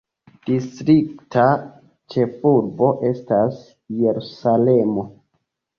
Distrikta ĉefurbo estas Jerusalemo.